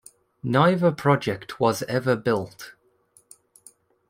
Neither project was ever built.